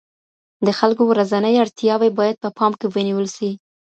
د خلګو ورځنۍ اړتیاوې باید په پام کي ونیول سي.